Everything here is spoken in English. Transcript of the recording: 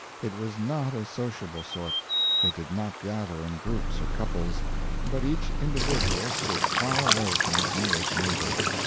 It was not a sociable sort; it did not gather in groups or couples, but each individual stood far away from its nearest neighbor.